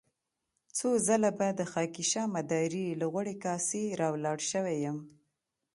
څو ځله به د خاکيشاه مداري له غوړې کاسې را ولاړ شوی يم.